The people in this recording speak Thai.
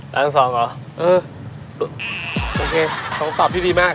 ร้านสองเหรอโอเคต้องสอบที่ดีมาก